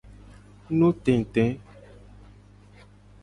Nutete.